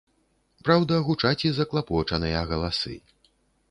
Праўда, гучаць і заклапочаныя галасы.